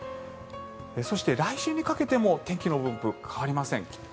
そして、来週にかけても天気の分布、変わりません。